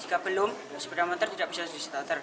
jika belum sepeda motor bisa di starter